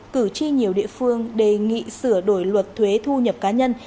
cử tri nhiều địa phương đề nghị sửa đổi luật thuế thu nhập cá nhân